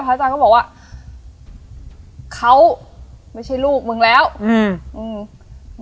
อาจารย์ก็บอกว่าเขาไม่ใช่ลูกมึงแล้วอืมอืม